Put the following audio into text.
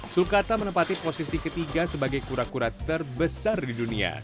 sulkata menempati posisi ketiga sebagai kura kura terbesar di dunia